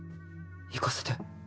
行かせて